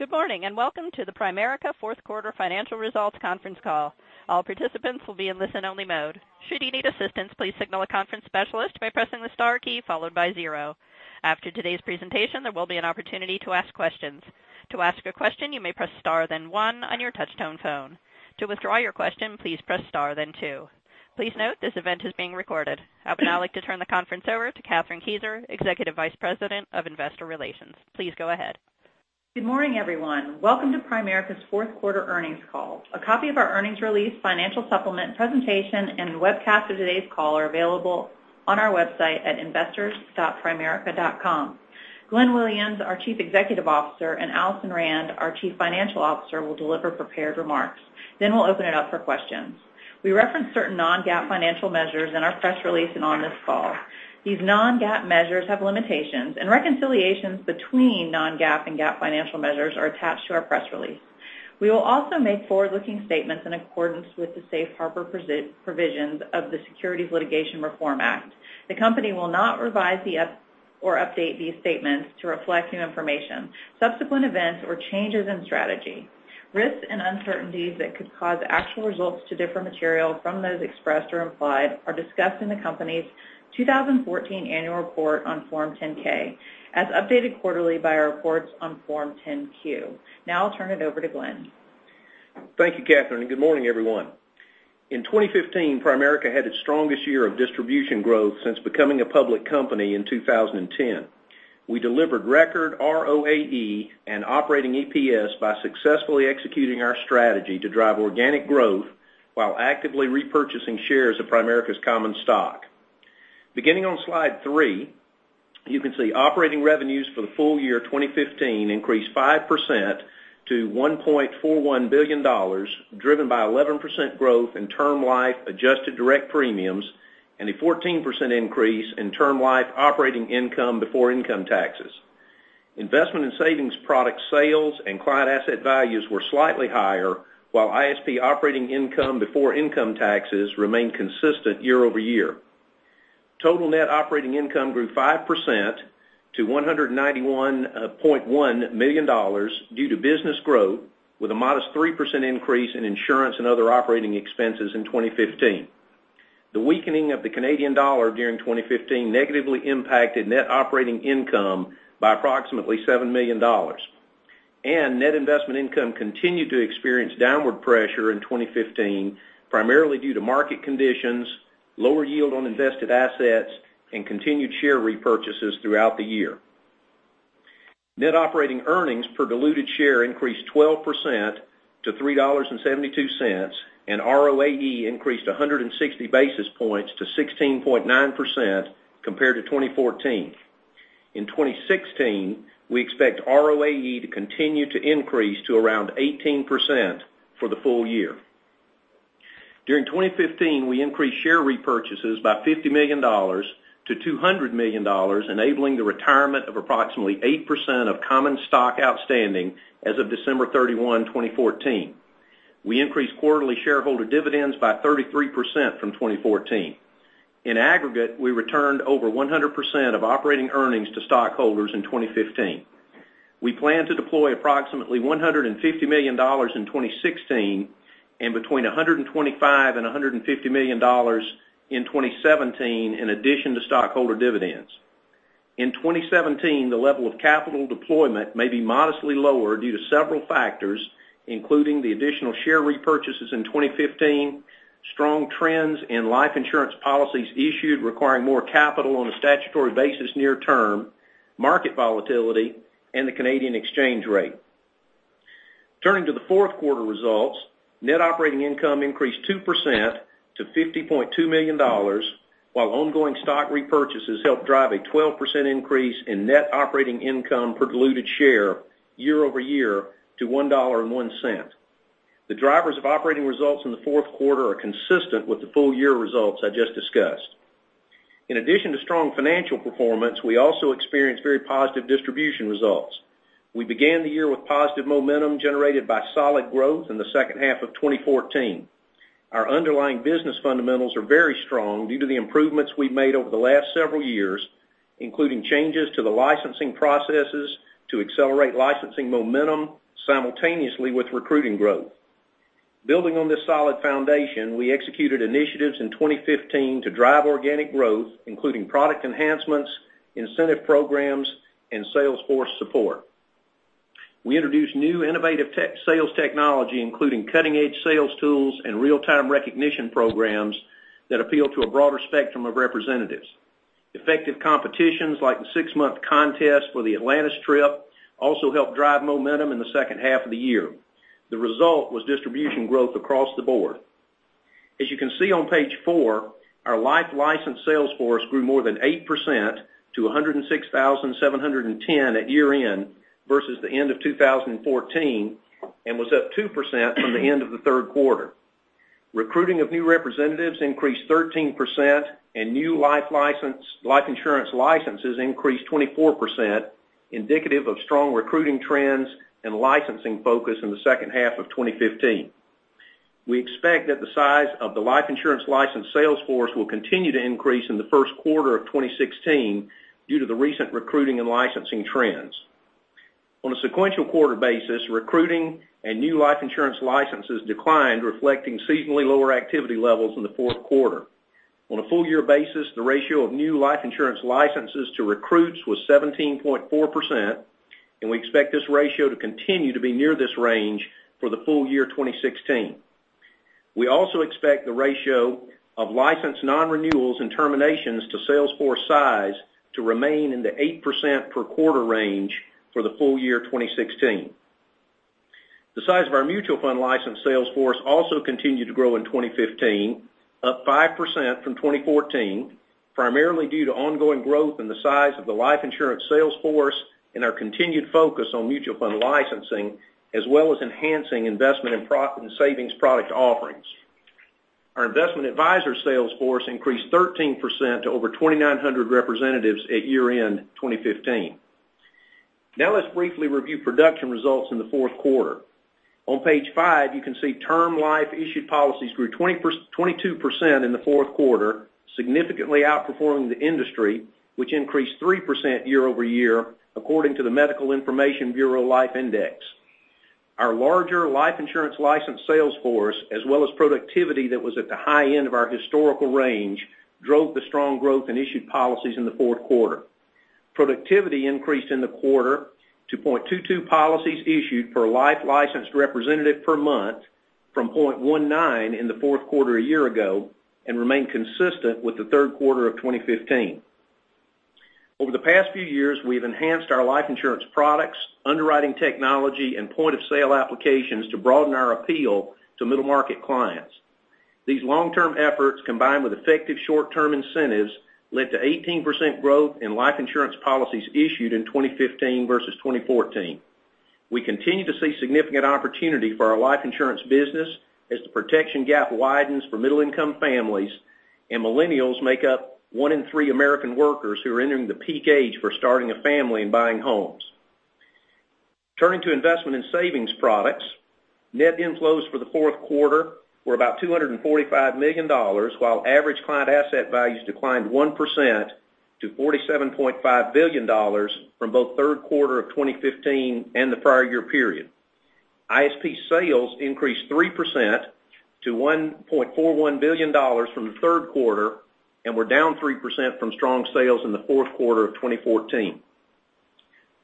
Good morning, welcome to the Primerica fourth quarter financial results conference call. All participants will be in listen only mode. Should you need assistance, please signal a conference specialist by pressing the star key followed by zero. After today's presentation, there will be an opportunity to ask questions. To ask a question, you may press star then one on your touchtone phone. To withdraw your question, please press star then two. Please note this event is being recorded. I would now like to turn the conference over to Kathryn Kieser, Executive Vice President of Investor Relations. Please go ahead. Good morning, everyone. Welcome to Primerica's fourth quarter earnings call. A copy of our earnings release, financial supplement presentation, and the webcast of today's call are available on our website at investors.primerica.com. Glenn Williams, our Chief Executive Officer, Alison Rand, our Chief Financial Officer, will deliver prepared remarks. We'll open it up for questions. We reference certain non-GAAP financial measures in our press release and on this call. These non-GAAP measures have limitations, and reconciliations between non-GAAP and GAAP financial measures are attached to our press release. We will also make forward-looking statements in accordance with the safe harbor provisions of the Securities Litigation Reform Act. The company will not revise or update these statements to reflect new information, subsequent events, or changes in strategy. Risks and uncertainties that could cause actual results to differ material from those expressed or implied are discussed in the company's 2014 annual report on Form 10-K, as updated quarterly by our reports on Form 10-Q. Now I'll turn it over to Glenn. Thank you, Kathryn, good morning, everyone. In 2015, Primerica had its strongest year of distribution growth since becoming a public company in 2010. We delivered record ROAE and operating EPS by successfully executing our strategy to drive organic growth while actively repurchasing shares of Primerica's common stock. Beginning on slide three, you can see operating revenues for the full year 2015 increased 5% to $1.41 billion, driven by 11% growth in Term Life adjusted direct premiums and a 14% increase in Term Life operating income before income taxes. Investment and Savings Products sales and client asset values were slightly higher, while ISP operating income before income taxes remained consistent year-over-year. Total net operating income grew 5% to $191.1 million due to business growth, with a modest 3% increase in insurance and other operating expenses in 2015. The weakening of the Canadian dollar during 2015 negatively impacted net operating income by approximately 7 million dollars. Net investment income continued to experience downward pressure in 2015, primarily due to market conditions, lower yield on invested assets, and continued share repurchases throughout the year. Net operating earnings per diluted share increased 12% to $3.72. ROAE increased 160 basis points to 16.9% compared to 2014. In 2016, we expect ROAE to continue to increase to around 18% for the full year. During 2015, we increased share repurchases by $50 million to $200 million, enabling the retirement of approximately 8% of common stock outstanding as of December 31, 2014. We increased quarterly shareholder dividends by 33% from 2014. In aggregate, we returned over 100% of operating earnings to stockholders in 2015. We plan to deploy approximately $150 million in 2016 and between $125 million and $150 million in 2017, in addition to stockholder dividends. In 2017, the level of capital deployment may be modestly lower due to several factors, including the additional share repurchases in 2015, strong trends in life insurance policies issued requiring more capital on a statutory basis near term, market volatility, and the Canadian exchange rate. Turning to the fourth quarter results, net operating income increased 2% to $50.2 million, while ongoing stock repurchases helped drive a 12% increase in net operating income per diluted share year-over-year to $1.01. The drivers of operating results in the fourth quarter are consistent with the full year results I just discussed. In addition to strong financial performance, we also experienced very positive distribution results. We began the year with positive momentum generated by solid growth in the second half of 2014. Our underlying business fundamentals are very strong due to the improvements we've made over the last several years, including changes to the licensing processes to accelerate licensing momentum simultaneously with recruiting growth. Building on this solid foundation, we executed initiatives in 2015 to drive organic growth, including product enhancements, incentive programs, and sales force support. We introduced new innovative tech sales technology, including cutting-edge sales tools and real-time recognition programs that appeal to a broader spectrum of representatives. Effective competitions like the six-month contest for the Atlantis trip also helped drive momentum in the second half of the year. The result was distribution growth across the board. As you can see on page four, our life license sales force grew more than 8% to 106,710 at year-end versus the end of 2014, and was up 2% from the end of the third quarter. Recruiting of new representatives increased 13%. New life insurance licenses increased 24%, indicative of strong recruiting trends and licensing focus in the second half of 2015. We expect that the size of the life insurance licensed sales force will continue to increase in the first quarter of 2016 due to the recent recruiting and licensing trends. On a sequential quarter basis, recruiting and new life insurance licenses declined, reflecting seasonally lower activity levels in the fourth quarter. On a full year basis, the ratio of new life insurance licenses to recruits was 17.4%. We expect this ratio to continue to be near this range for the full year 2016. We also expect the ratio of licensed non-renewals and terminations to sales force size to remain in the 8% per quarter range for the full year 2016. The size of our mutual fund licensed sales force also continued to grow in 2015, up 5% from 2014, primarily due to ongoing growth in the size of the life insurance sales force and our continued focus on mutual fund licensing, as well as enhancing investment in savings product offerings. Our investment advisor sales force increased 13% to over 2,900 representatives at year-end 2015. Let's briefly review production results in the fourth quarter. On page five, you can see Term Life issued policies grew 22% in the fourth quarter, significantly outperforming the industry, which increased 3% year-over-year according to the Medical Information Bureau Life Index. Our larger life insurance licensed sales force, as well as productivity that was at the high end of our historical range, drove the strong growth in issued policies in the fourth quarter. Productivity increased in the quarter to 0.22 policies issued per life licensed representative per month from 0.19 in the fourth quarter a year ago and remained consistent with the third quarter of 2015. Over the past few years, we have enhanced our life insurance products, underwriting technology, and point-of-sale applications to broaden our appeal to middle-market clients. These long-term efforts, combined with effective short-term incentives, led to 18% growth in life insurance policies issued in 2015 versus 2014. We continue to see significant opportunity for our life insurance business as the protection gap widens for middle-income families and millennials make up one in three American workers who are entering the peak age for starting a family and buying homes. Turning to Investment and Savings Products, net inflows for the fourth quarter were about $245 million, while average client asset values declined 1% to $47.5 billion from both third quarter of 2015 and the prior year period. ISP sales increased 3% to $1.41 billion from the third quarter and were down 3% from strong sales in the fourth quarter of 2014.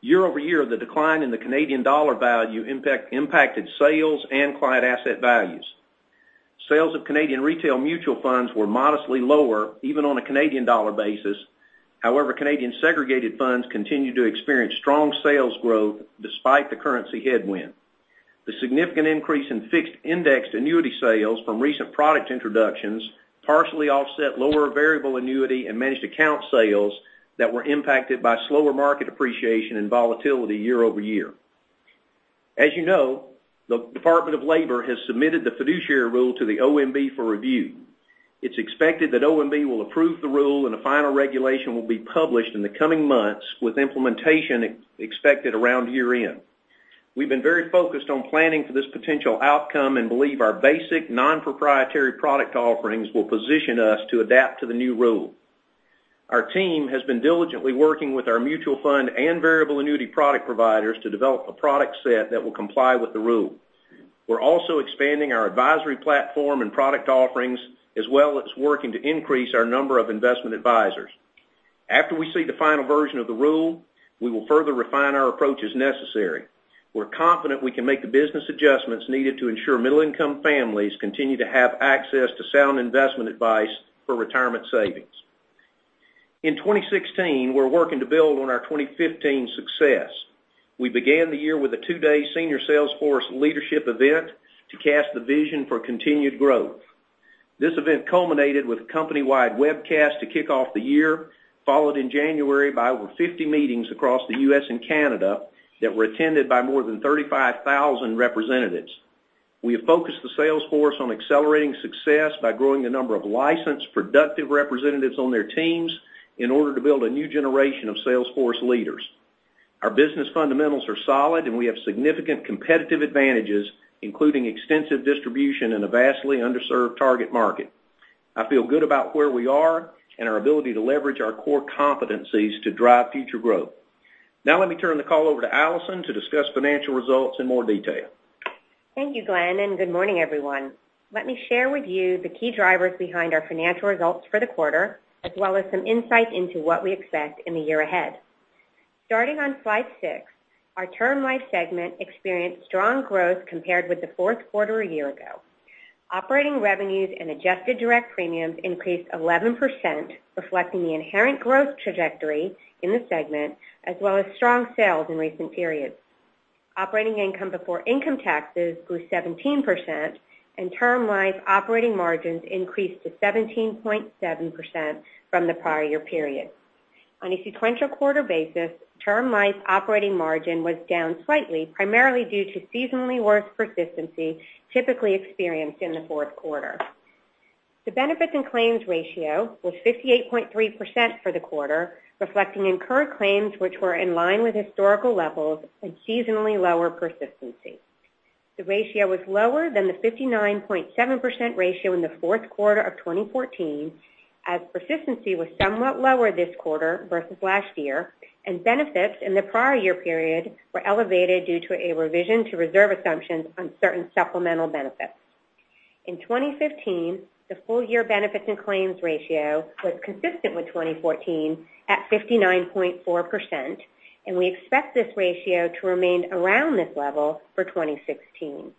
Year-over-year, the decline in the Canadian dollar value impacted sales and client asset values. Sales of Canadian retail mutual funds were modestly lower even on a Canadian dollar basis. However, Canadian segregated funds continued to experience strong sales growth despite the currency headwind. The significant increase in fixed-indexed annuity sales from recent product introductions partially offset lower variable annuity and managed account sales that were impacted by slower market appreciation and volatility year-over-year. As you know, the Department of Labor has submitted the fiduciary rule to the OMB for review. It's expected that OMB will approve the rule and a final regulation will be published in the coming months with implementation expected around year-end. We've been very focused on planning for this potential outcome and believe our basic non-proprietary product offerings will position us to adapt to the new rule. Our team has been diligently working with our mutual fund and variable annuity product providers to develop a product set that will comply with the rule. We're also expanding our advisory platform and product offerings, as well as working to increase our number of investment advisors. After we see the final version of the rule, we will further refine our approach as necessary. We're confident we can make the business adjustments needed to ensure middle-income families continue to have access to sound investment advice for retirement savings. In 2016, we're working to build on our 2015 success. We began the year with a two-day senior sales force leadership event to cast the vision for continued growth. This event culminated with a company-wide webcast to kick off the year, followed in January by over 50 meetings across the U.S. and Canada that were attended by more than 35,000 representatives. We have focused the sales force on accelerating success by growing the number of licensed, productive representatives on their teams in order to build a new generation of sales force leaders. Our business fundamentals are solid, and we have significant competitive advantages, including extensive distribution in a vastly underserved target market. I feel good about where we are and our ability to leverage our core competencies to drive future growth. Let me turn the call over to Alison to discuss financial results in more detail. Thank you, Glenn, good morning, everyone. Let me share with you the key drivers behind our financial results for the quarter, as well as some insight into what we expect in the year ahead. Starting on slide six, our Term Life segment experienced strong growth compared with the fourth quarter a year ago. Operating revenues and adjusted direct premiums increased 11%, reflecting the inherent growth trajectory in the segment, as well as strong sales in recent periods. Operating income before income taxes grew 17%, and Term Life operating margins increased to 17.7% from the prior year period. On a sequential quarter basis, Term Life operating margin was down slightly, primarily due to seasonally worse persistency typically experienced in the fourth quarter. The benefits and claims ratio was 58.3% for the quarter, reflecting incurred claims which were in line with historical levels and seasonally lower persistency. The ratio was lower than the 59.7% ratio in the fourth quarter of 2014, as persistency was somewhat lower this quarter versus last year, and benefits in the prior year period were elevated due to a revision to reserve assumptions on certain supplemental benefits. In 2015, the full-year benefits and claims ratio was consistent with 2014 at 59.4%, and we expect this ratio to remain around this level for 2016.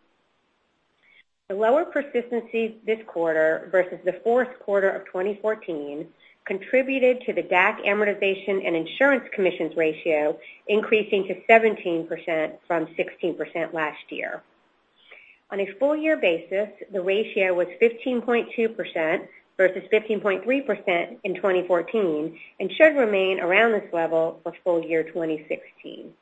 The lower persistency this quarter versus the fourth quarter of 2014 contributed to the DAC amortization and insurance commissions ratio increasing to 17% from 16% last year. On a full-year basis, the ratio was 15.2% versus 15.3% in 2014 and should remain around this level for full year 2016.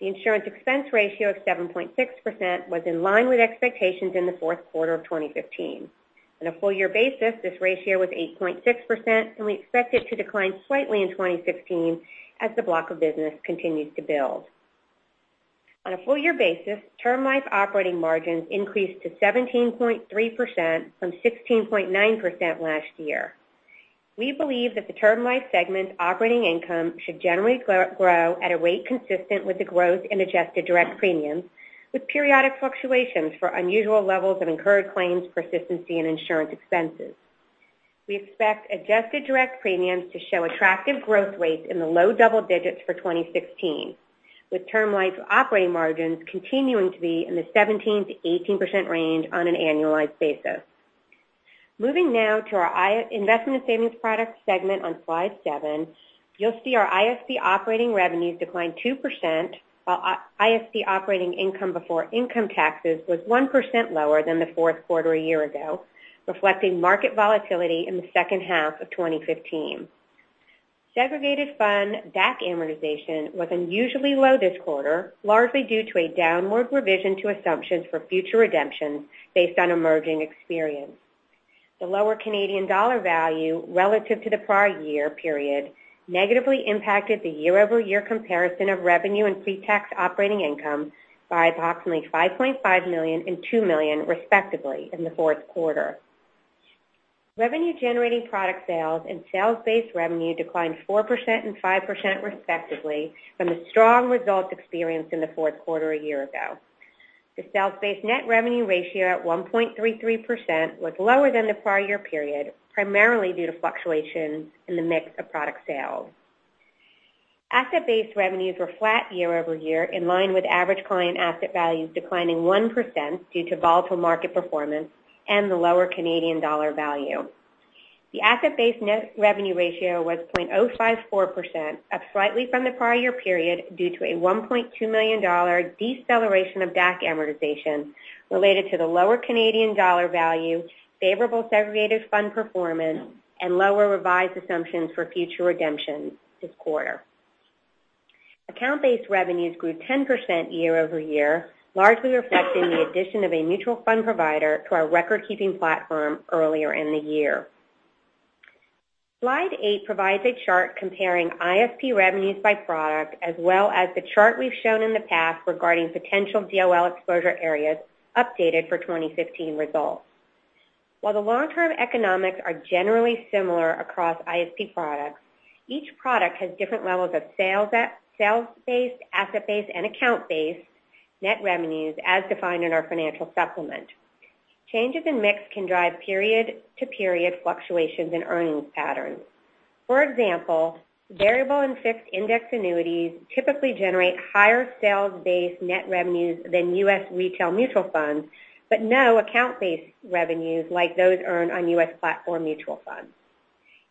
The insurance expense ratio of 7.6% was in line with expectations in the fourth quarter of 2015. On a full-year basis, this ratio was 8.6%, and we expect it to decline slightly in 2016 as the block of business continues to build. On a full-year basis, Term Life operating margins increased to 17.3% from 16.9% last year. We believe that the Term Life segment operating income should generally grow at a rate consistent with the growth in adjusted direct premiums, with periodic fluctuations for unusual levels of incurred claims, persistency, and insurance expenses. We expect adjusted direct premiums to show attractive growth rates in the low double digits for 2016, with Term Life operating margins continuing to be in the 17%-18% range on an annualized basis. Moving now to our Investment and Savings Products segment on slide seven, you'll see our ISP operating revenues declined 2%, while ISP operating income before income taxes was 1% lower than the fourth quarter a year ago, reflecting market volatility in the second half of 2015. Segregated fund DAC amortization was unusually low this quarter, largely due to a downward revision to assumptions for future redemptions based on emerging experience. The lower Canadian dollar value relative to the prior year period negatively impacted the year-over-year comparison of revenue and pre-tax operating income by approximately $5.5 million and $2 million, respectively, in the fourth quarter. Revenue-generating product sales and sales-based revenue declined 4% and 5% respectively from the strong results experienced in the fourth quarter a year ago. The sales-based net revenue ratio at 1.33% was lower than the prior year period, primarily due to fluctuations in the mix of product sales. Asset-based revenues were flat year-over-year, in line with average client asset values declining 1% due to volatile market performance and the lower Canadian dollar value. The asset-based net revenue ratio was 0.054%, up slightly from the prior year period due to a $1.2 million deceleration of DAC amortization related to the lower Canadian dollar value, favorable segregated fund performance, and lower revised assumptions for future redemptions this quarter. Account-based revenues grew 10% year-over-year, largely reflecting the addition of a mutual fund provider to our record-keeping platform earlier in the year. Slide eight provides a chart comparing ISP revenues by product as well as the chart we've shown in the past regarding potential DOL exposure areas updated for 2015 results. While the long-term economics are generally similar across ISP products, each product has different levels of sales-based, asset-based, and account-based net revenues as defined in our financial supplement. Changes in mix can drive period-to-period fluctuations in earnings patterns. For example, variable and fixed-indexed annuities typically generate higher sales-based net revenues than US retail mutual funds but no account-based revenues like those earned on US platform mutual funds.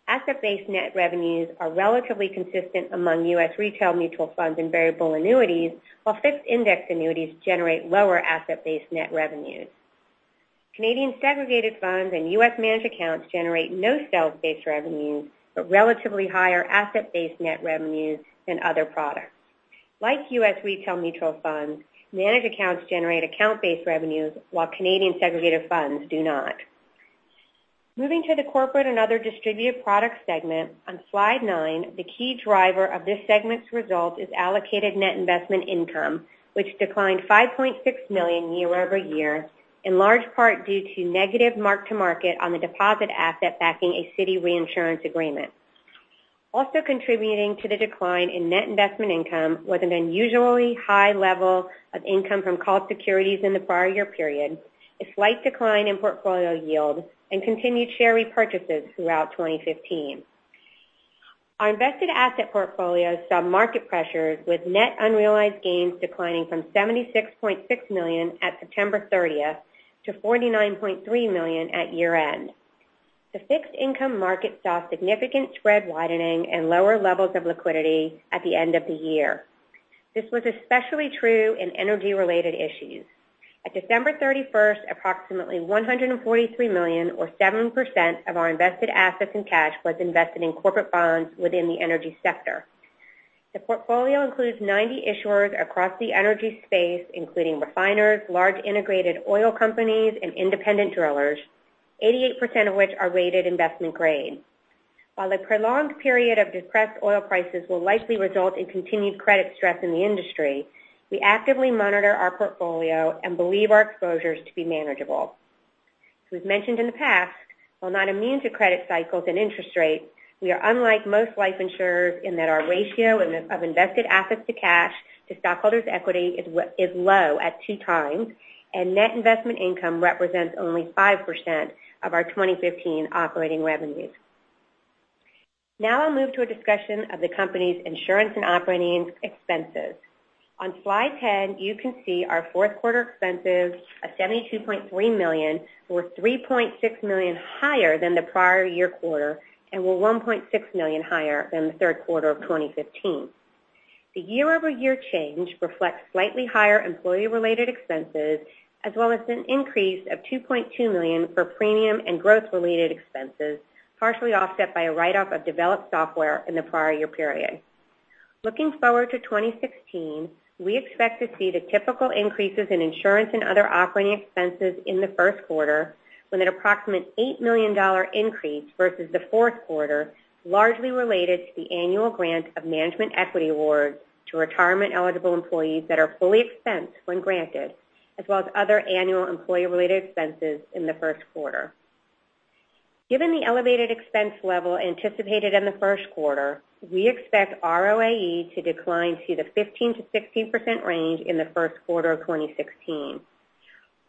Asset-based net revenues are relatively consistent among US retail mutual funds and variable annuities, while fixed-indexed annuities generate lower asset-based net revenues. Canadian segregated funds and US managed accounts generate no sales-based revenues but relatively higher asset-based net revenues than other products. Like US retail mutual funds, managed accounts generate account-based revenues, while Canadian segregated funds do not. Moving to the Corporate and Other Distributed Products segment on slide nine, the key driver of this segment's result is allocated net investment income, which declined $5.6 million year-over-year, in large part due to negative mark-to-market on the deposit asset backing a ceding reinsurance agreement. Also contributing to the decline in net investment income was an unusually high level of income from called securities in the prior year period, a slight decline in portfolio yield, and continued share repurchases throughout 2015. Our invested asset portfolio saw market pressures with net unrealized gains declining from $76.6 million at September 30th to $49.3 million at year-end. The fixed income market saw significant spread widening and lower levels of liquidity at the end of the year. This was especially true in energy-related issues. At December 31st, approximately $143 million or 7% of our invested assets and cash was invested in corporate bonds within the energy sector. The portfolio includes 90 issuers across the energy space, including refiners, large integrated oil companies, and independent drillers, 88% of which are rated investment grade. While a prolonged period of depressed oil prices will likely result in continued credit stress in the industry, we actively monitor our portfolio and believe our exposures to be manageable. As we've mentioned in the past, while not immune to credit cycles and interest rates, we are unlike most life insurers in that our ratio of invested assets to cash to stockholders' equity is low at two times, and net investment income represents only 5% of our 2015 operating revenues. Now I'll move to a discussion of the company's insurance and operating expenses. On slide 10, you can see our fourth quarter expenses of $72.3 million, were $3.6 million higher than the prior year quarter and were $1.6 million higher than the third quarter of 2015. The year-over-year change reflects slightly higher employee-related expenses as well as an increase of $2.2 million for premium and growth-related expenses, partially offset by a write-off of developed software in the prior year period. Looking forward to 2016, we expect to see the typical increases in insurance and other operating expenses in the first quarter with an approximate $8 million increase versus the fourth quarter, largely related to the annual grant of management equity awards to retirement-eligible employees that are fully expensed when granted, as well as other annual employee-related expenses in the first quarter. Given the elevated expense level anticipated in the first quarter, we expect ROAE to decline to the 15%-16% range in the first quarter of 2016.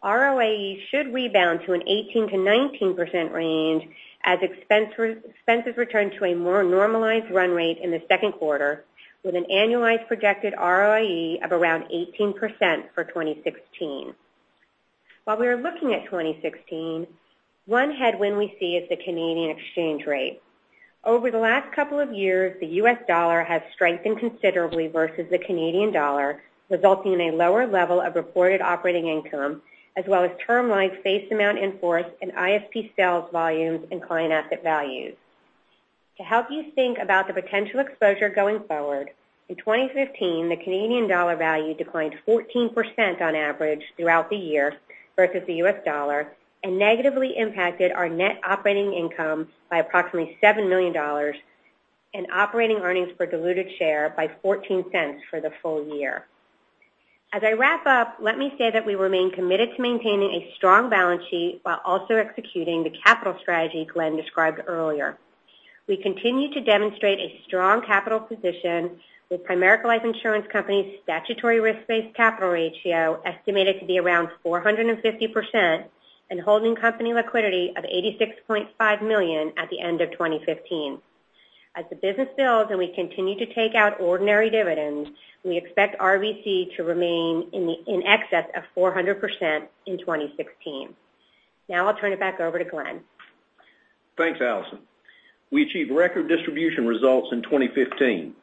ROAE should rebound to an 18%-19% range as expenses return to a more normalized run rate in the second quarter with an annualized projected ROAE of around 18% for 2016. While we are looking at 2016, one headwind we see is the Canadian exchange rate. Over the last couple of years, the U.S. dollar has strengthened considerably versus the Canadian dollar, resulting in a lower level of reported operating income as well as Term Life face amount in force and ISP sales volumes and client asset values. To help you think about the potential exposure going forward, in 2015, the Canadian dollar value declined 14% on average throughout the year versus the U.S. dollar and negatively impacted our net operating income by approximately $7 million and operating earnings per diluted share by $0.14 for the full year. As I wrap up, let me say that we remain committed to maintaining a strong balance sheet while also executing the capital strategy Glenn described earlier. We continue to demonstrate a strong capital position with Primerica Life Insurance Company's statutory risk-based capital ratio estimated to be around 450% and holding company liquidity of $86.5 million at the end of 2015. As the business builds and we continue to take out ordinary dividends, we expect RBC to remain in excess of 400% in 2016. I'll turn it back over to Glenn. Thanks, Alison. We achieved record distribution results in 2015.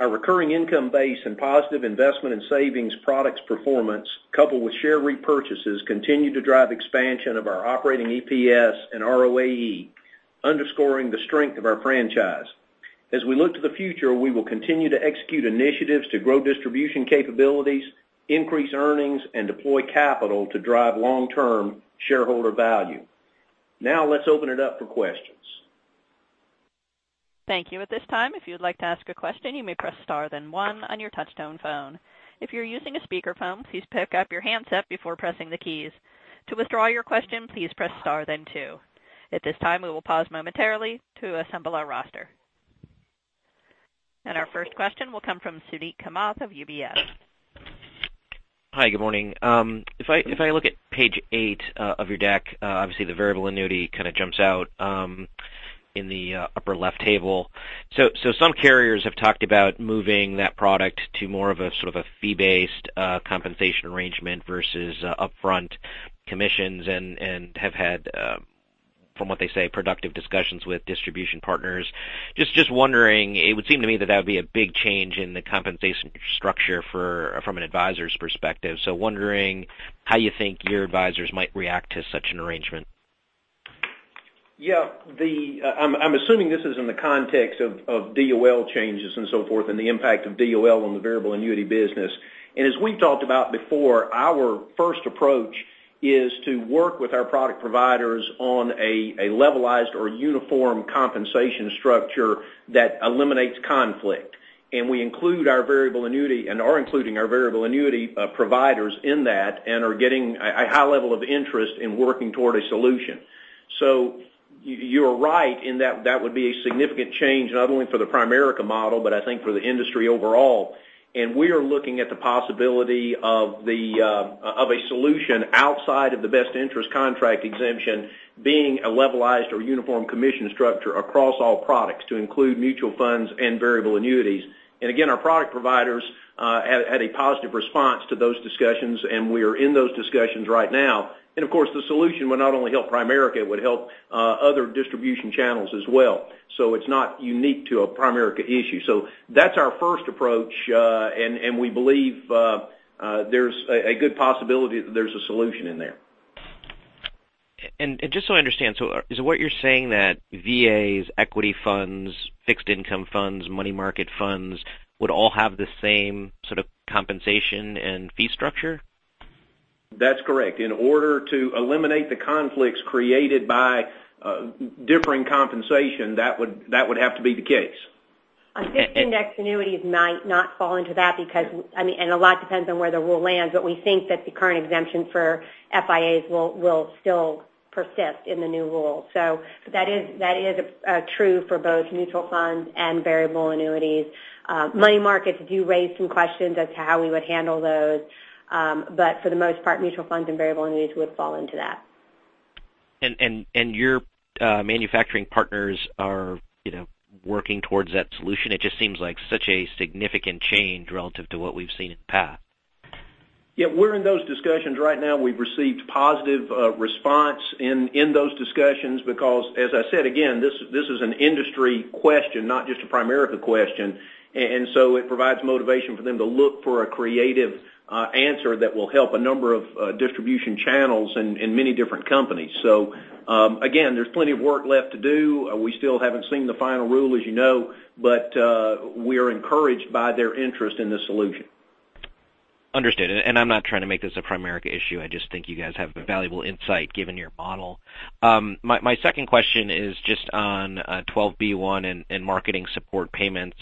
Our recurring income base and positive Investment and Savings Products performance, coupled with share repurchases, continued to drive expansion of our operating EPS and ROAE, underscoring the strength of our franchise. As we look to the future, we will continue to execute initiatives to grow distribution capabilities, increase earnings, and deploy capital to drive long-term shareholder value. Let's open it up for questions. Thank you. At this time, if you'd like to ask a question, you may press star then one on your touch-tone phone. If you're using a speakerphone, please pick up your handset before pressing the keys. To withdraw your question, please press star then two. At this time, we will pause momentarily to assemble our roster. Our first question will come from Suneet Kamath of UBS. Hi, good morning. If I look at page eight of your deck, obviously the variable annuity kind of jumps out in the upper left table. Some carriers have talked about moving that product to more of a sort of a fee-based compensation arrangement versus upfront commissions and have had, from what they say, productive discussions with distribution partners. Just wondering, it would seem to me that that would be a big change in the compensation structure from an advisor's perspective. Wondering how you think your advisors might react to such an arrangement. Yeah. I'm assuming this is in the context of DOL changes and so forth and the impact of DOL on the variable annuity business. As we've talked about before, our first approach is to work with our product providers on a levelized or uniform compensation structure that eliminates conflict. We include our variable annuity and are including our variable annuity providers in that and are getting a high level of interest in working toward a solution. You're right in that that would be a significant change, not only for the Primerica model, but I think for the industry overall. We are looking at the possibility of a solution outside of the Best Interest Contract Exemption being a levelized or uniform commission structure across all products to include mutual funds and variable annuities. Again, our product providers had a positive response to those discussions, and we are in those discussions right now. Of course, the solution would not only help Primerica, it would help other distribution channels as well. It's not unique to a Primerica issue. That's our first approach, and we believe there's a good possibility that there's a solution in there. Just so I understand, is what you're saying that VAs, equity funds, fixed income funds, money market funds would all have the same sort of compensation and fee structure? That's correct. In order to eliminate the conflicts created by differing compensation, that would have to be the case. I think index annuities might not fall into that because, and a lot depends on where the rule lands, but we think that the current exemption for FIAs will still persist in the new rule. That is true for both mutual funds and variable annuities. Money markets do raise some questions as to how we would handle those. For the most part, mutual funds and variable annuities would fall into that. Your manufacturing partners are working towards that solution? It just seems like such a significant change relative to what we've seen in the past. We're in those discussions right now. We've received positive response in those discussions because, as I said, again, this is an industry question, not just a Primerica question. It provides motivation for them to look for a creative answer that will help a number of distribution channels and many different companies. Again, there's plenty of work left to do. We still haven't seen the final rule, as you know, but we are encouraged by their interest in the solution. Understood. I'm not trying to make this a Primerica issue. I just think you guys have a valuable insight given your model. My second question is just on 12b-1 and marketing support payments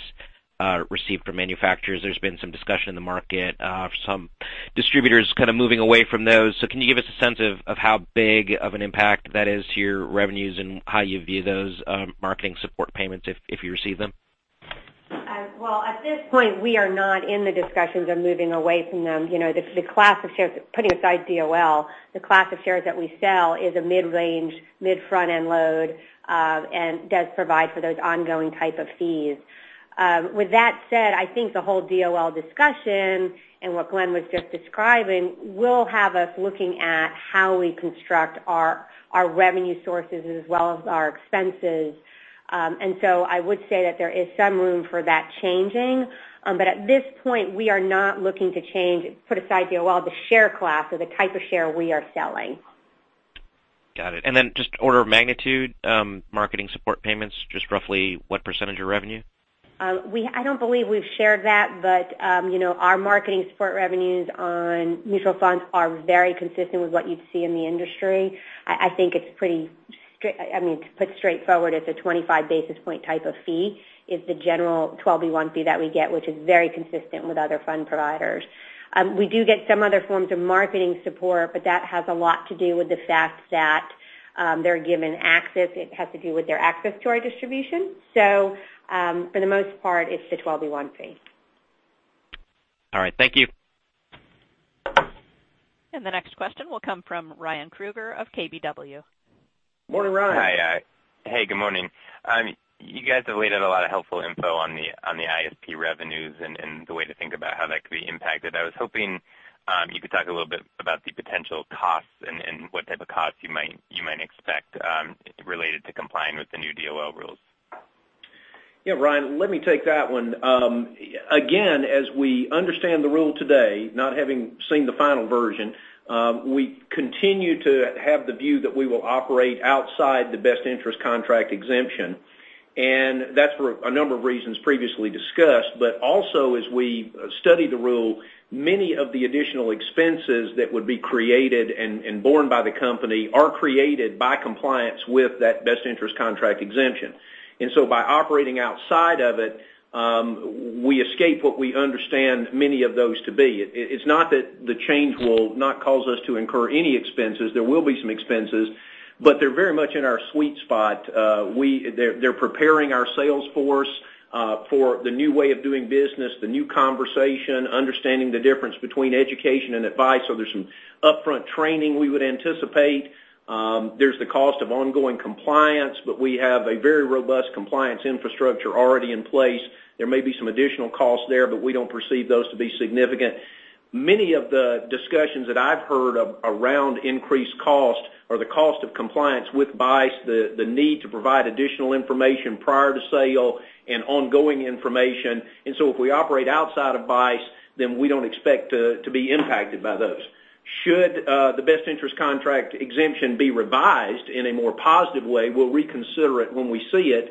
received from manufacturers. There's been some discussion in the market of some distributors kind of moving away from those. Can you give us a sense of how big of an impact that is to your revenues and how you view those marketing support payments if you receive them? Well, at this point, we are not in the discussions of moving away from them. Putting aside DOL, the class of shares that we sell is a mid-range, mid front-end load, and does provide for those ongoing type of fees. With that said, I think the whole DOL discussion and what Glenn was just describing will have us looking at how we construct our revenue sources as well as our expenses. I would say that there is some room for that changing. At this point, we are not looking to change, put aside DOL, the share class or the type of share we are selling. Got it. Just order of magnitude, marketing support payments, just roughly what percentage of revenue? I don't believe we've shared that, our marketing support revenues on mutual funds are very consistent with what you'd see in the industry. I think it's pretty straightforward. It's a 25 basis point type of fee, is the general 12b-1 fee that we get, which is very consistent with other fund providers. We do get some other forms of marketing support, that has a lot to do with the fact that they're given access. It has to do with their access to our distribution. For the most part, it's the 12b-1 fee. All right. Thank you. The next question will come from Ryan Krueger of KBW. Morning, Ryan. Hey, good morning. You guys have laid out a lot of helpful info on the ISP revenues and the way to think about how that could be impacted. I was hoping you could talk a little bit about the potential costs and what type of costs you might expect related to complying with the new DOL rules. Yeah, Ryan, let me take that one. Again, as we understand the rule today, not having seen the final version, we continue to have the view that we will operate outside the Best Interest Contract Exemption, and that's for a number of reasons previously discussed. Also as we study the rule, many of the additional expenses that would be created and borne by the company are created by compliance with that Best Interest Contract Exemption. By operating outside of it, we escape what we understand many of those to be. It's not that the change will not cause us to incur any expenses. There will be some expenses. They're very much in our sweet spot. They're preparing our sales force for the new way of doing business, the new conversation, understanding the difference between education and advice. There's some upfront training we would anticipate. There's the cost of ongoing compliance, but we have a very robust compliance infrastructure already in place. There may be some additional costs there, but we don't perceive those to be significant. Many of the discussions that I've heard around increased cost or the cost of compliance with BICE, the need to provide additional information prior to sale and ongoing information. If we operate outside of BICE, then we don't expect to be impacted by those. Should the Best Interest Contract Exemption be revised in a more positive way, we'll reconsider it when we see it.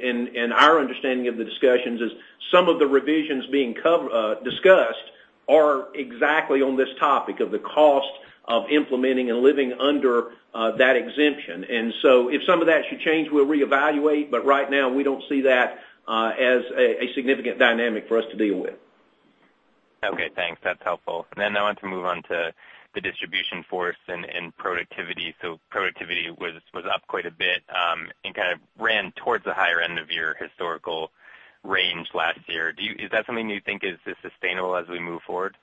Our understanding of the discussions is some of the revisions being discussed are exactly on this topic of the cost of implementing and living under that exemption. If some of that should change, we'll reevaluate. Right now, we don't see that as a significant dynamic for us to deal with. Okay, thanks. That's helpful. I want to move on to the distribution force and productivity. Productivity was up quite a bit, and kind of ran towards the higher end of your historical range last year. Is that something you think is sustainable as we move forward?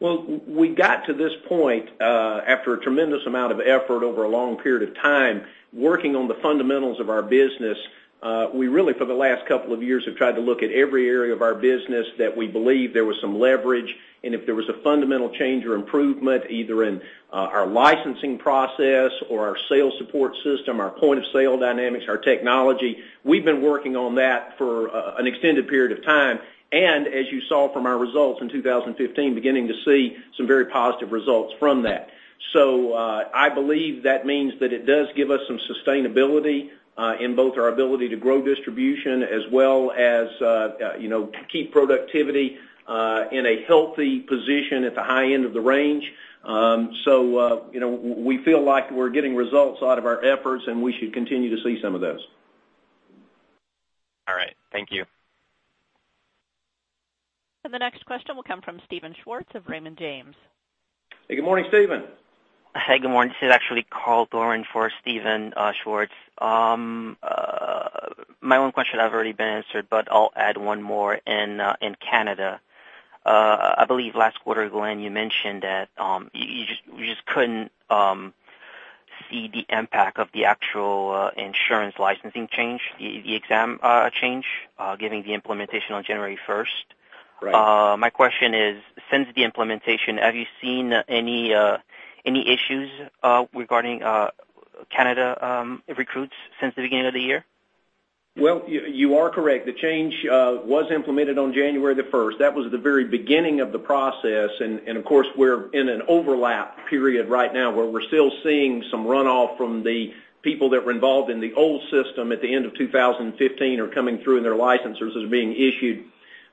Well, we got to this point after a tremendous amount of effort over a long period of time, working on the fundamentals of our business. We really, for the last couple of years, have tried to look at every area of our business that we believe there was some leverage, and if there was a fundamental change or improvement, either in our licensing process or our sales support system, our point of sale dynamics, our technology. We've been working on that for an extended period of time. As you saw from our results in 2015, beginning to see some very positive results from that. I believe that means that it does give us some sustainability in both our ability to grow distribution as well as to keep productivity in a healthy position at the high end of the range. We feel like we're getting results out of our efforts, and we should continue to see some of those. All right. Thank you. The next question will come from Steven Schwartz of Raymond James. Good morning, Steven. Hi. Good morning. This is actually Charles Doran for Steven Schwartz. My one question has already been answered, but I'll add one more in Canada. I believe last quarter, Glenn, you mentioned that you just couldn't see the impact of the actual insurance licensing change, the exam change, given the implementation on January 1st. Right. My question is, since the implementation, have you seen any issues regarding Canada recruits since the beginning of the year? Well, you are correct. The change was implemented on January the 1st. That was the very beginning of the process, and of course, we're in an overlap period right now where we're still seeing some runoff from the people that were involved in the old system at the end of 2015 are coming through, and their licenses is being issued.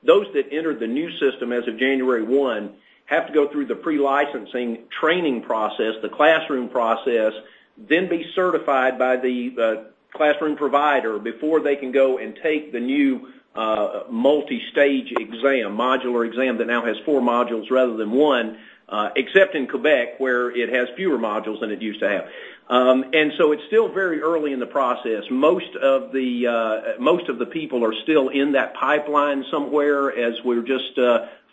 Those that entered the new system as of January 1, have to go through the pre-licensing training process, the classroom process, then be certified by the classroom provider before they can go and take the new multi-stage exam, modular exam that now has 4 modules rather than one except in Quebec, where it has fewer modules than it used to have. It's still very early in the process. Most of the people are still in that pipeline somewhere as we're just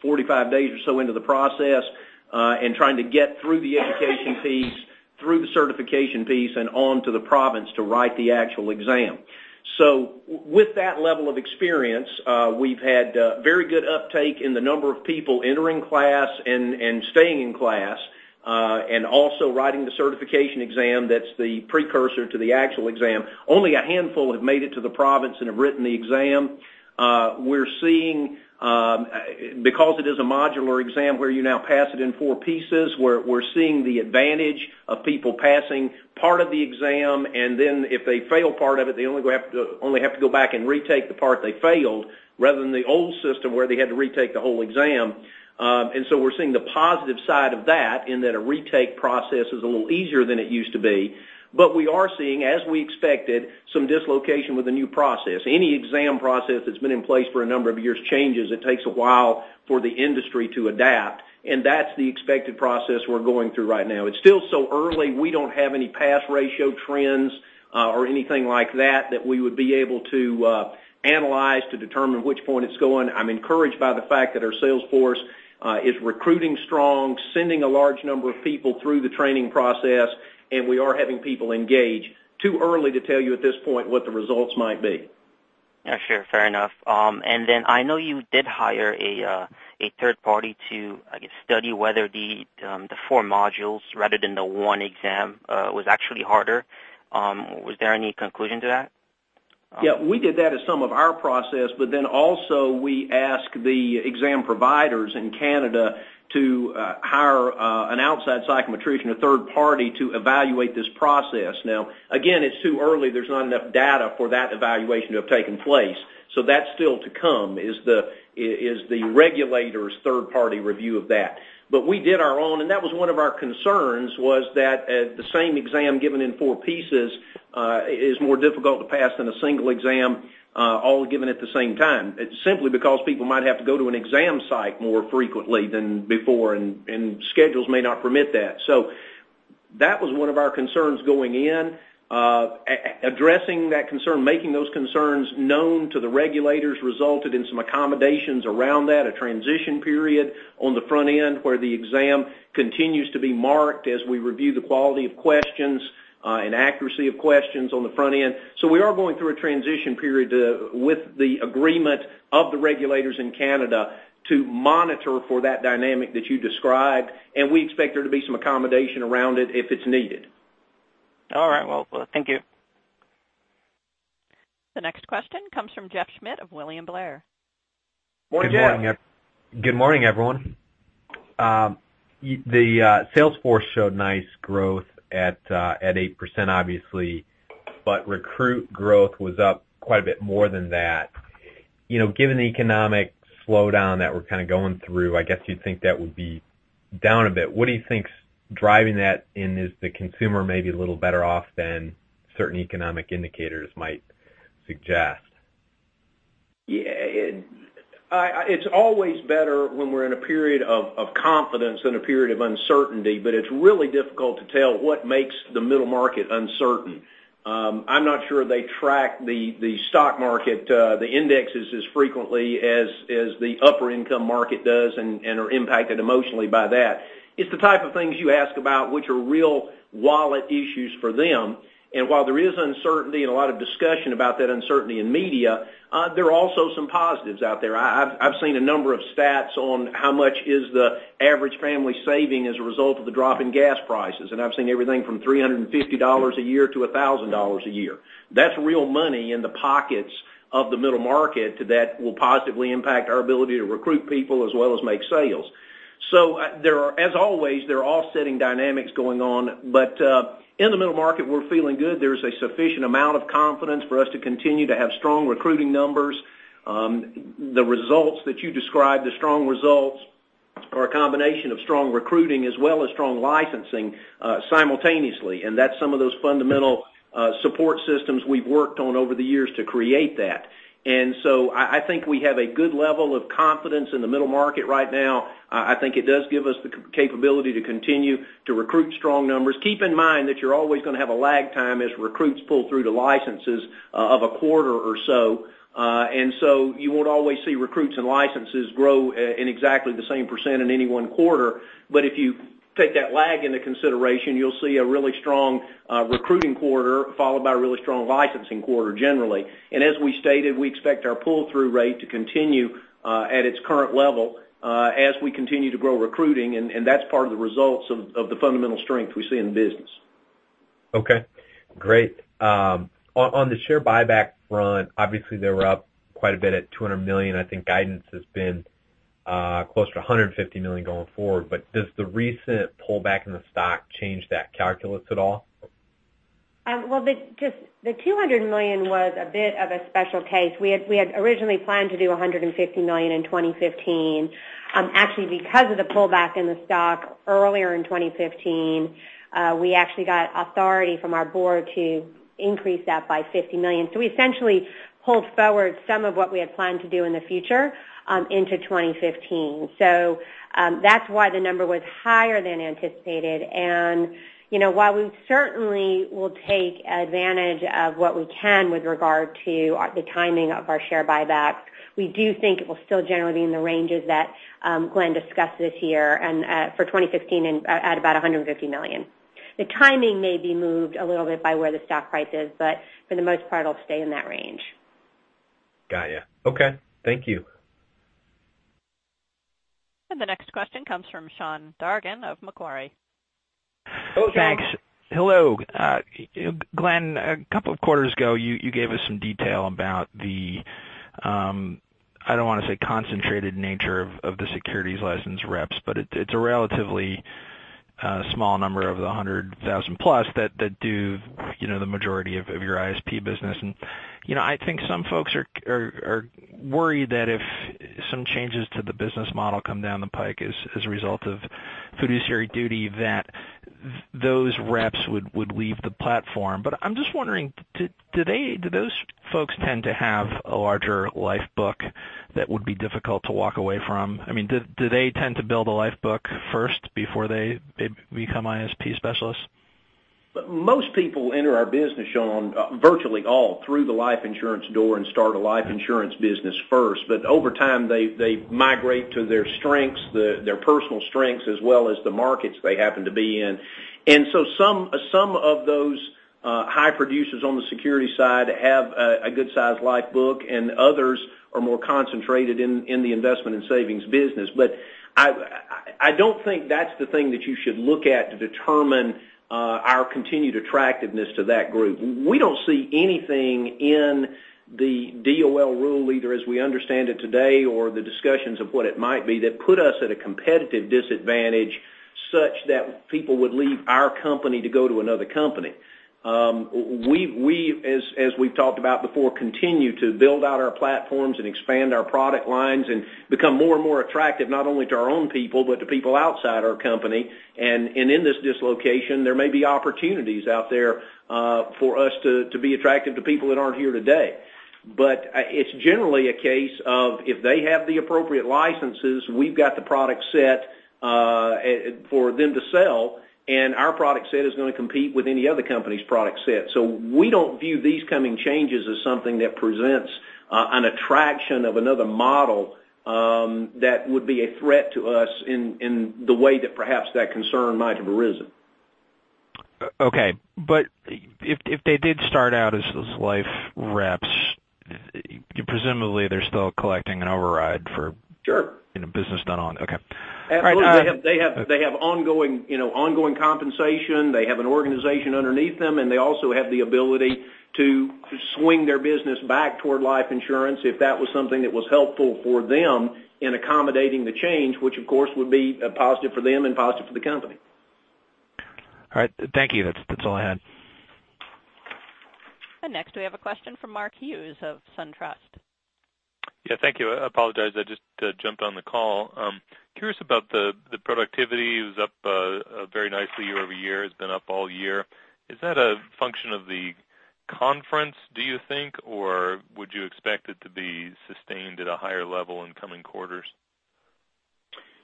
45 days or so into the process and trying to get through the education piece, through the certification piece, and on to the province to write the actual exam. With that level of experience, we've had very good uptake in the number of people entering class and staying in class, and also writing the certification exam that's the precursor to the actual exam. Only a handful have made it to the province and have written the exam. Because it is a modular exam where you now pass it in 4 pieces, we're seeing the advantage of people passing part of the exam, and then if they fail part of it, they only have to go back and retake the part they failed, rather than the old system where they had to retake the whole exam. We're seeing the positive side of that, in that a retake process is a little easier than it used to be. We are seeing, as we expected, some dislocation with the new process. Any exam process that's been in place for a number of years changes. It takes a while for the industry to adapt, and that's the expected process we're going through right now. It's still so early. We don't have any pass ratio trends or anything like that we would be able to analyze to determine which point it's going. I'm encouraged by the fact that our sales force is recruiting strong, sending a large number of people through the training process, and we are having people engage. Too early to tell you at this point what the results might be. Yeah, sure. Fair enough. I know you did hire a third party to, I guess, study whether the four modules rather than the one exam was actually harder. Was there any conclusion to that? Yeah. We did that as some of our process, also we asked the exam providers in Canada to hire an outside psychometrician, a third party, to evaluate this process. Now, again, it's too early. There's not enough data for that evaluation to have taken place. That's still to come, is the regulator's third-party review of that. We did our own, and that was one of our concerns was that the same exam given in four pieces is more difficult to pass than a single exam all given at the same time. It's simply because people might have to go to an exam site more frequently than before, and schedules may not permit that. That was one of our concerns going in. Addressing that concern, making those concerns known to the regulators resulted in some accommodations around that, a transition period on the front end where the exam continues to be marked as we review the quality of questions and accuracy of questions on the front end. We are going through a transition period with the agreement of the regulators in Canada to monitor for that dynamic that you described, and we expect there to be some accommodation around it if it's needed. All right. Well, thank you. The next question comes from Jeff Schmitt of William Blair. Morning, Jeff. Good morning, everyone. The sales force showed nice growth at 8%, obviously, but recruit growth was up quite a bit more than that. Given the economic slowdown that we're kind of going through, I guess you'd think that would be down a bit. What do you think is driving that, and is the consumer maybe a little better off than certain economic indicators might suggest? It's always better when we're in a period of confidence than a period of uncertainty, it's really difficult to tell what makes the middle market uncertain. I'm not sure they track the stock market, the indexes as frequently as the upper-income market does and are impacted emotionally by that. It's the type of things you ask about, which are real wallet issues for them. While there is uncertainty and a lot of discussion about that uncertainty in media, there are also some positives out there. I've seen a number of stats on how much is the average family saving as a result of the drop in gas prices, and I've seen everything from $350 a year to $1,000 a year. That's real money in the pockets of the middle market that will positively impact our ability to recruit people as well as make sales. As always, there are offsetting dynamics going on. In the middle market, we're feeling good. There's a sufficient amount of confidence for us to continue to have strong recruiting numbers. The results that you described, the strong results, are a combination of strong recruiting as well as strong licensing simultaneously, that's some of those fundamental support systems we've worked on over the years to create that. I think we have a good level of confidence in the middle market right now. I think it does give us the capability to continue to recruit strong numbers. Keep in mind that you're always going to have a lag time as recruits pull through to licenses of a quarter or so. You won't always see recruits and licenses grow in exactly the same percent in any one quarter. If you take that lag into consideration, you'll see a really strong recruiting quarter followed by a really strong licensing quarter generally. As we stated, we expect our pull-through rate to continue at its current level as we continue to grow recruiting, that's part of the results of the fundamental strength we see in the business. Okay, great. On the share buyback front, obviously they were up quite a bit at $200 million. I think guidance has been close to $150 million going forward. Does the recent pullback in the stock change that calculus at all? Well, the $200 million was a bit of a special case. We had originally planned to do $150 million in 2015. Actually, because of the pullback in the stock earlier in 2015, we actually got authority from our board to increase that by $50 million. We essentially pulled forward some of what we had planned to do in the future into 2015. That's why the number was higher than anticipated. While we certainly will take advantage of what we can with regard to the timing of our share buybacks, we do think it will still generally be in the ranges that Glenn discussed this year and for 2016 at about $150 million. The timing may be moved a little bit by where the stock price is, but for the most part, it'll stay in that range. Got you. Okay. Thank you. The next question comes from Sean Dargan of Macquarie. Hello, Sean. Thanks. Hello. Glenn, a couple of quarters ago, you gave us some detail about the, I don't want to say concentrated nature of the securities license reps, but it's a relatively small number of the 100,000 plus that do the majority of your ISP business. I think some folks are worried that if some changes to the business model come down the pike as a result of fiduciary duty, that those reps would leave the platform. I'm just wondering, do those folks tend to have a larger life book that would be difficult to walk away from? I mean, do they tend to build a life book first before they become ISP specialists? Most people enter our business, Sean, virtually all through the life insurance door and start a life insurance business first. Over time, they migrate to their strengths, their personal strengths, as well as the markets they happen to be in. Some of those high producers on the security side have a good size life book, and others are more concentrated in the Investment and Savings Products business. I don't think that's the thing that you should look at to determine our continued attractiveness to that group. We don't see anything in the DOL rule, as we understand it today or the discussions of what it might be, that put us at a competitive disadvantage such that people would leave our company to go to another company. We've, as we've talked about before, continue to build out our platforms and expand our product lines and become more and more attractive, not only to our own people, but to people outside our company. In this dislocation, there may be opportunities out there for us to be attractive to people that aren't here today. It's generally a case of if they have the appropriate licenses, we've got the product set for them to sell, and our product set is going to compete with any other company's product set. We don't view these coming changes as something that presents an attraction of another model that would be a threat to us in the way that perhaps that concern might have arisen. Okay. If they did start out as those life reps, presumably they're still collecting an override. Sure business done on. Okay. All right. They have ongoing compensation. They have an organization underneath them. They also have the ability to swing their business back toward life insurance if that was something that was helpful for them in accommodating the change, which, of course, would be a positive for them and positive for the company. All right. Thank you. That's all I had. Next we have a question from Mark Hughes of SunTrust. Yeah, thank you. I apologize, I just jumped on the call. Curious about the productivity. It was up very nicely year-over-year. It's been up all year. Is that a function of the conference, do you think, or would you expect it to be sustained at a higher level in coming quarters?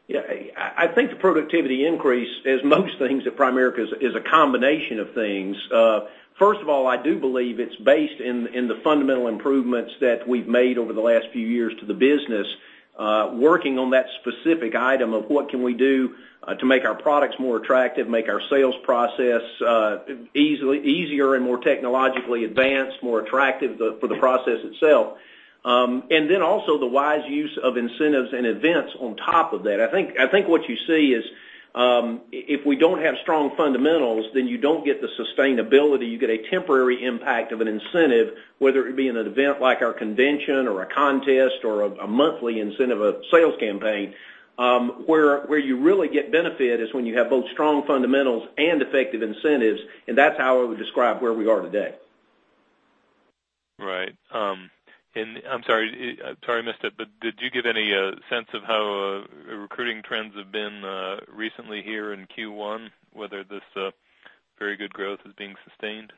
Yeah. I think the productivity increase, as most things at Primerica, is a combination of things. First of all, I do believe it's based in the fundamental improvements that we've made over the last few years to the business, working on that specific item of what can we do to make our products more attractive, make our sales process easier and more technologically advanced, more attractive for the process itself. Also the wise use of incentives and events on top of that. I think what you see If we don't have strong fundamentals, then you don't get the sustainability. You get a temporary impact of an incentive, whether it be in an event like our convention or a contest or a monthly incentive, a sales campaign. Where you really get benefit is when you have both strong fundamentals and effective incentives, that's how I would describe where we are today. Right. I'm sorry, I missed it, did you give any sense of how recruiting trends have been recently here in Q1, whether this very good growth is being sustained?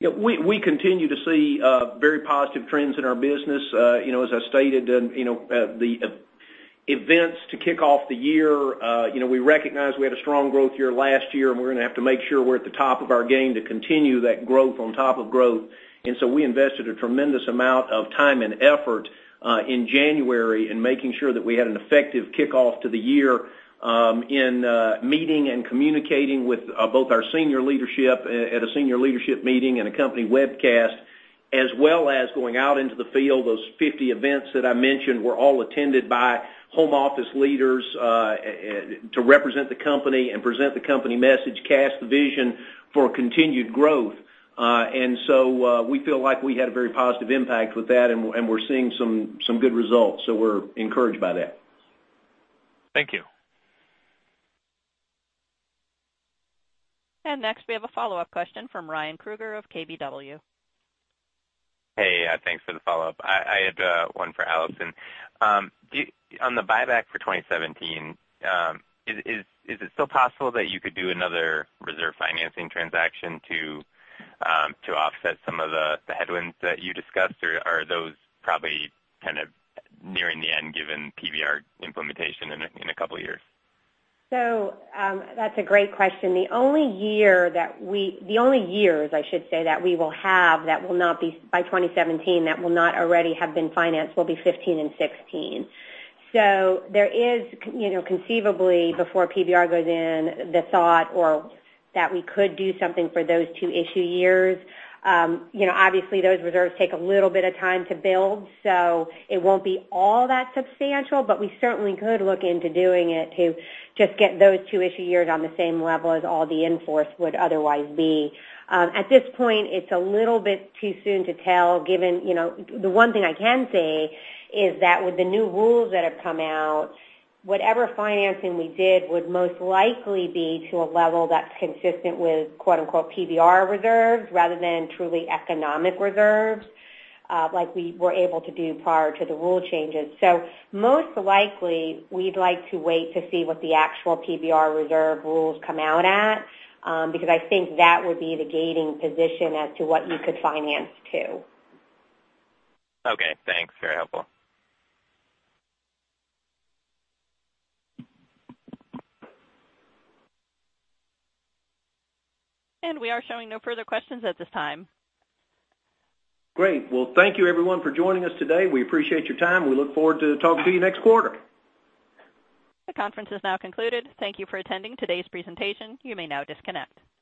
Yeah, we continue to see very positive trends in our business. As I stated, the events to kick off the year, we recognized we had a strong growth year last year, and we're going to have to make sure we're at the top of our game to continue that growth on top of growth. We invested a tremendous amount of time and effort in January in making sure that we had an effective kickoff to the year in meeting and communicating with both our senior leadership at a senior leadership meeting and a company webcast, as well as going out into the field. Those 50 events that I mentioned were all attended by home office leaders to represent the company and present the company message, cast the vision for continued growth. We feel like we had a very positive impact with that, and we're seeing some good results. We're encouraged by that. Thank you. Next we have a follow-up question from Ryan Krueger of KBW. Hey, thanks for the follow-up. I had one for Alison. On the buyback for 2017, is it still possible that you could do another reserve financing transaction to offset some of the headwinds that you discussed? Are those probably kind of nearing the end given PBR implementation in a couple of years? That's a great question. The only years I should say that we will have that will not be by 2017, that will not already have been financed, will be 2015 and 2016. There is conceivably before PBR goes in, the thought or that we could do something for those two issue years. Obviously, those reserves take a little bit of time to build, so it won't be all that substantial. We certainly could look into doing it to just get those two issue years on the same level as all the in-force would otherwise be. At this point, it's a little bit too soon to tell. The one thing I can say is that with the new rules that have come out, whatever financing we did would most likely be to a level that's consistent with "PBR reserves" rather than truly economic reserves, like we were able to do prior to the rule changes. Most likely we'd like to wait to see what the actual PBR reserve rules come out at, because I think that would be the gating position as to what you could finance to. Okay, thanks. Very helpful. We are showing no further questions at this time. Great. Well, thank you everyone for joining us today. We appreciate your time. We look forward to talking to you next quarter. The conference is now concluded. Thank you for attending today's presentation. You may now disconnect.